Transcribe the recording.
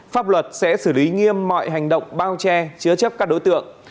pháp luật sẽ xử lý nghiêm mọi hành động bao che chứa chấp các đối tượng